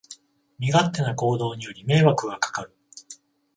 身勝手な行動により迷惑がかかる